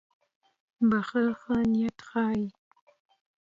• بښل ښه نیت ښيي.